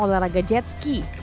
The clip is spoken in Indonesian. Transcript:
medali emas di jetski